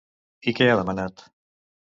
I què ha demanat?